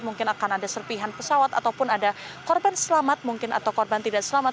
mungkin akan ada serpihan pesawat ataupun ada korban selamat mungkin atau korban tidak selamat